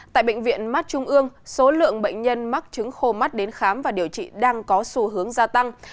tại bệnh viện mắt trung ương số lượng bệnh nhân mắc chứng khô mắt đến khám và điều trị đang có xu hướng gia tăng